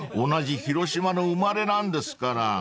同じ広島の生まれなんですから］